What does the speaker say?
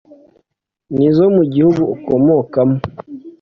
n izo mu gihugu ukomokamo